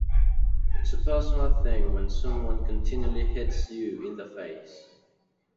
It's a personal thing when someone continually hits you in the face.